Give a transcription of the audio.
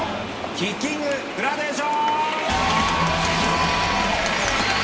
キッキンググラデーション！